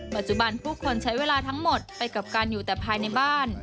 ปัจจุบันผู้คนใช้เวลาทั้งหมดไปกับการอยู่แต่ภายในบ้าน